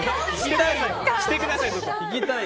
してください。